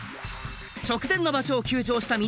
直前の場所を休場した翠